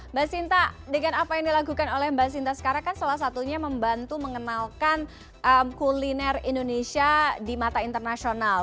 mbak sinta dengan apa yang dilakukan oleh mbak sinta sekarang kan salah satunya membantu mengenalkan kuliner indonesia di mata internasional